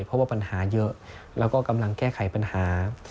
เพราะว่าปัญหาเยอะแล้วก็กำลังแก้ไขปัญหา